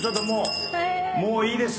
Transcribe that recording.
もういいです。